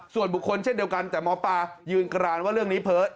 ส่วนบุคคลเช่นเดียวกันแต่หมอปลายืนกรานว่าเรื่องนี้เพิร์ต